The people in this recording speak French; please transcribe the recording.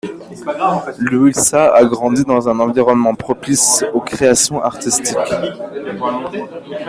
Lluïsa a grandi dans un environnement propice aux créations artistiques.